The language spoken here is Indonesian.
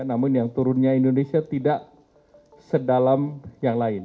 namun yang turunnya indonesia tidak sedalam yang lain